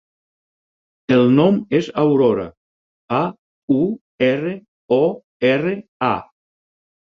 El nom és Aurora: a, u, erra, o, erra, a.